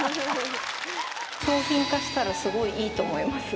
商品化したらすごいいいと思います。